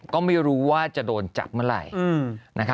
ก็ไม่รู้ว่าจะโดนจับเมื่อไหร่